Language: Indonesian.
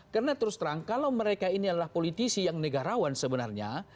karena terus terang kalau mereka ini adalah politisi yang negarawan sebenarnya